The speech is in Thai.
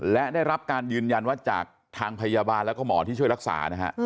และได้รับการยืนยันว่าจากทางพยาบาลแล้วก็หมอที่ช่วยรักษานะฮะ